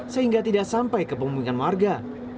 sehingga tidak sampai ke pemukiman warga